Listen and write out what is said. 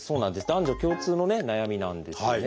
男女共通の悩みなんですね。